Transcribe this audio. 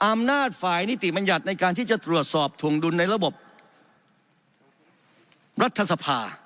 อำนาจฝ่ายนิติบัญญัติในการที่จะตรวจสอบถวงดุลในระบบรัฐสภา